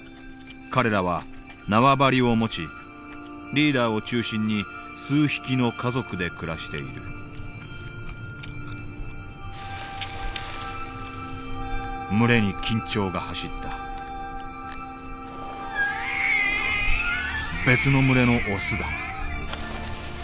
彼らは縄張りを持ちリーダーを中心に数匹の家族で暮らしている群れに緊張が走った別の群れのオスだ。